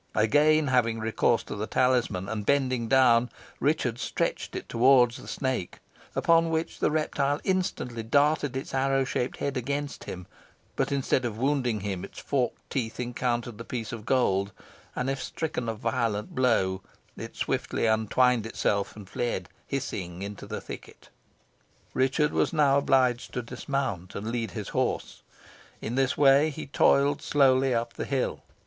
Again having recourse to the talisman, and bending down, Richard stretched it towards the snake, upon which the reptile instantly darted its arrow shaped head against him, but instead of wounding him, its forked teeth encountered the piece of gold, and, as if stricken a violent blow, it swiftly untwined itself, and fled, hissing, into the thicket. Richard was now obliged to dismount and lead his horse. In this way he toiled slowly up the hill.